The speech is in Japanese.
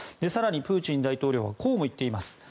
更にプーチン大統領はこうも言っています。